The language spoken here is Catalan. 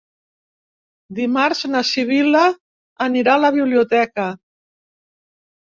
Dimarts na Sibil·la anirà a la biblioteca.